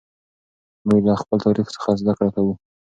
موږ له خپل تاریخ څخه زده کړه کوو.